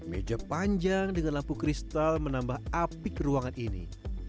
meja panjang dengan lampu kristal menambah apik ruangan ini